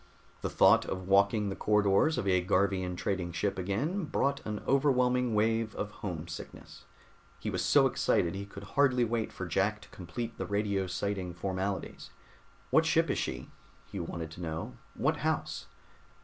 The thought of walking the corridors of a Garvian trading ship again brought an overwhelming wave of homesickness. He was so excited he could hardly wait for Jack to complete the radio sighting formalities. "What ship is she?" he wanted to know. "What house?"